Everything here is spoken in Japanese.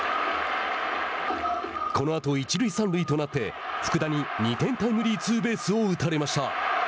このあと一塁三塁となって福田に２点タイムリーツーベースを打たれました。